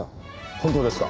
本当ですか？